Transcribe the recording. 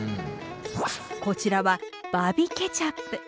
こちらはバビ・ケチャップ。